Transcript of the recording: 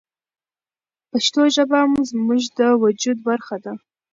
پښتو ژبه زموږ د وجود برخه ده.